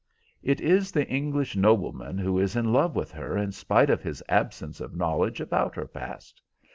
"It is the English nobleman who is in love with her in spite of his absence of knowledge about her past.